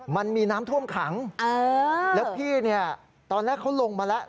มันมีน้ำท่วมขังแล้วพี่เนี่ยตอนแรกเขาลงมาแล้ว